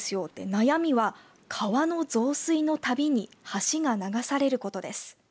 悩みは川の増水のたびに橋が流されることです。